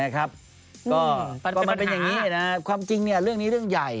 ก็มันเป็นอย่างนี้ความจริงเรื่องนี้เรื่องใหญ่